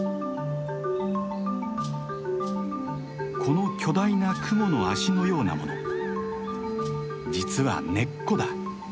この巨大なクモの脚のようなもの実は根っこだ。